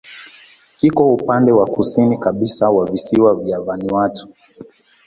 Kiko upande wa kusini kabisa wa visiwa vya Vanuatu.